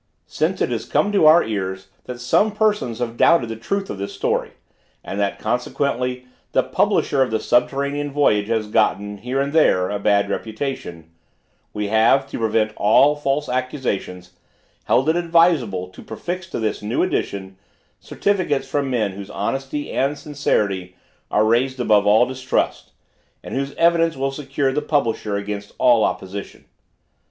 Since it has come to our ears that some persons have doubted the truth of this story, and that, consequently, the publisher of the subterranean voyage has gotten, here and there, a bad reputation, we have, to prevent all false accusations, held it advisable to prefix to this new edition certificates from men whose honesty and sincerity are raised above all distrust, and whose evidence will secure the publisher against all opposition.